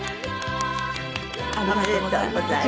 ありがとうございます。